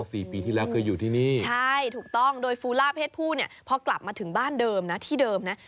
สี่ปีที่แล้วเคยอยู่ที่นี่ใช่ถูกต้องโดยฟูล่าเพศผู้เนี่ยพอกลับมาถึงบ้านเดิมนะที่เดิมนะ